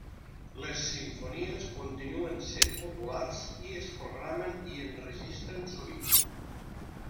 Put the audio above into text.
Les simfonies continuen sent populars i es programen i enregistren sovint.